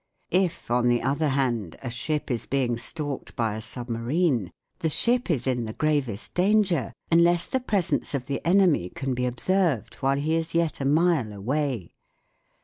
If, on the other hand, a ship is being stalked by a submarine, the ship is in the gravest danger unless the presence of the enemy can be observed while he is yet a mile away.